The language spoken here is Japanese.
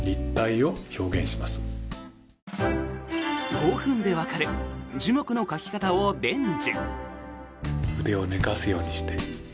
５分でわかる樹木の描き方を伝授。